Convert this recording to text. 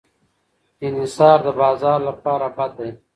انحصار د بازار لپاره بد دی.